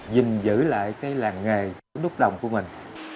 giữ lại cái làng nghề đúc đồng của mình